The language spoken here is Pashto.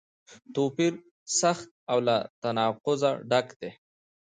توپیر سخت او له تناقضه ډک دی.